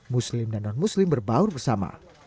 muslim dan non muslim berbaur bersama